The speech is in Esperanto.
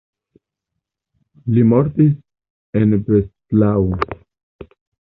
Li mortis en Breslau.